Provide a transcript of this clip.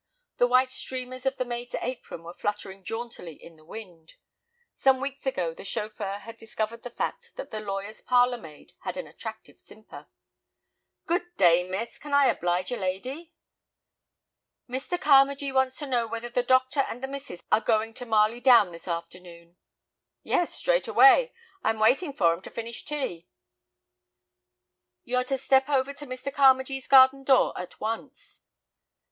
The white streamers of the maid's apron were fluttering jauntily in the wind. Some weeks ago the chauffeur had discovered the fact that the lawyer's parlor maid had an attractive simper. "Good day, miss; can I oblige a lady?" "Mr. Carmagee wants to know whether the doctor and the missus are going to Marley Down this afternoon?" "Yes, straight away. I'm waiting for 'em to finish tea." "You're to step over to Mr. Carmagee's garden door at once."